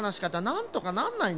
なんとかなんないの？